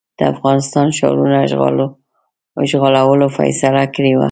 د افغانستان ښارونو اشغالولو فیصله کړې وه.